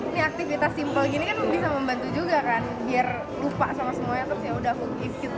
ini aktivitas simple gini kan bisa membantu juga kan biar lupa sama semuanya terus yaudah aku is gitu